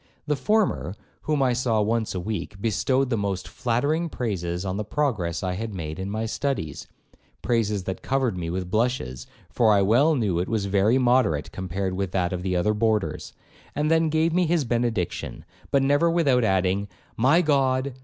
The former, whom I saw once a week, bestowed the most flattering praises on the progress I had made in my studies, (praises that covered me with blushes, for I well knew it was very moderate compared with that of the other boarders), and then gave me his benediction, but never without adding, 'My God!